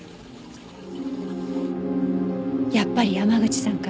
やっぱり山口さんから。